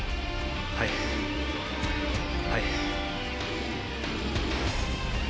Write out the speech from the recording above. はいはい。